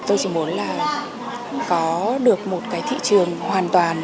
tôi chỉ muốn là có được một cái thị trường hoàn toàn